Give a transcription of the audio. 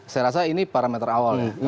saya rasa ini parameter awal ya